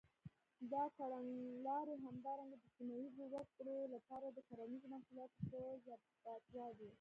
دا کړنلارې همدارنګه د سیمه ییزو وګړو لپاره د کرنیزو محصولاتو په زباتوالي.